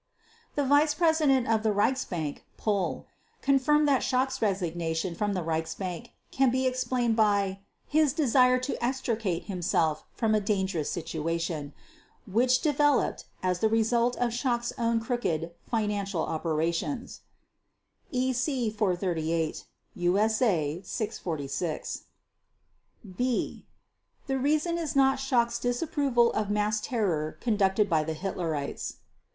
The vice president of the Reichsbank, Puhl, confirmed that Schacht's resignation from the Reichsbank can be explained by "his desire to extricate himself from a dangerous situation" which developed as the result of Schacht's own crooked financial operations (EC 438, USA 646). b) The reason is not Schacht's disapproval of mass terror conducted by the Hitlerites.